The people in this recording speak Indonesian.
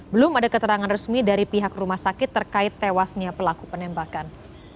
belum ada keterangan resmi dari pihak rumah sakit terkait tewasnya pelaku penembakan